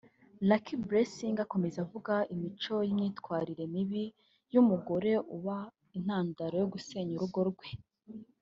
Lucky Blessing akomeza avuga imico n’imyitwarire mibi y’umugore uba intandaro yo gusenya urugo rwe